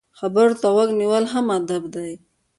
خبرو ته غوږ نیول هم ادب دی.